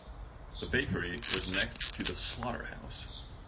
The bakery was next to the slaughterhouse.